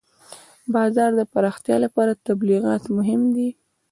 د بازار د پراختیا لپاره تبلیغات مهم دي.